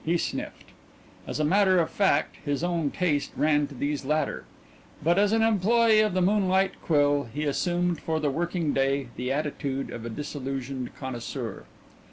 he sniffed. As a matter of fact, his own taste ran to these latter, but as an employee at the Moonlight Quill he assumed for the working day the attitude of a disillusioned connoisseur.